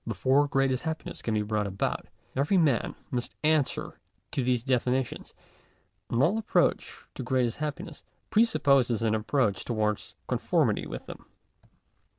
Before greatest happiness can be brought about, every man must answer to these definitions; and all approach to greatest happiness, presupposes an approach towards conformity with them.